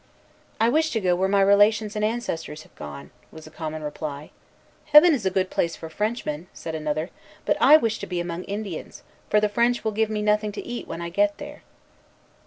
"I wish to go where my relations and ancestors have gone," was a common reply. "Heaven is a good place for Frenchmen," said another; "but I wish to be among Indians, for the French will give me nothing to eat when I get there."